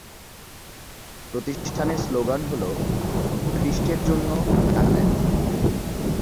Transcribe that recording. প্রতিষ্ঠানের স্লোগান হল "খ্রিস্টের জন্য নাগাল্যান্ড"।